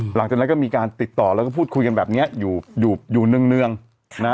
หลังจากนั้นก็มีการติดต่อแล้วก็พูดคุยกันแบบเนี้ยอยู่อยู่เนื่องนะ